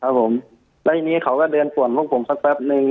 ผมแล้วทีนี้เขาก็เดินป่วนพวกผมสักแป๊บนึง